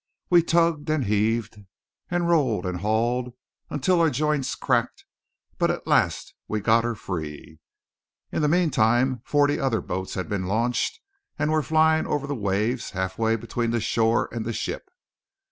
We tugged and heaved, and rolled and hauled until our joints cracked; but at last we got her free. In the meantime forty other boats had been launched and were flying over the waves halfway between the shore and the ship.